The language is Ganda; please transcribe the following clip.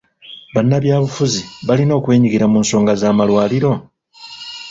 Bannabyabufuzi balina okwenyigira mu nsonga z'amalwaliro?